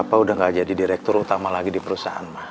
apa udah gak jadi direktur utama lagi di perusahaan